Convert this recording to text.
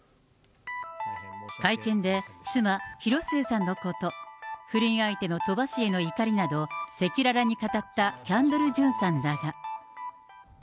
会見で妻、広末さんのこと、不倫相手の鳥羽氏への怒りなど、赤裸々に語ったキャンドル・ジュンさんだが。